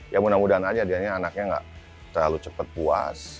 ya mudah mudahan aja dia anaknya nggak terlalu cepat puas